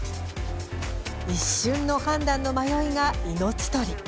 一瞬の判断の迷いが命取り。